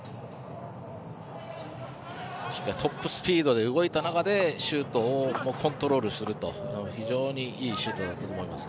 トップスピードで動いた中でシュートをコントロールすると非常にいいシュートを打ちます。